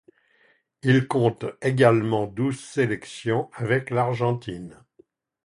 Il compte également douze sélections avec l'Argentine.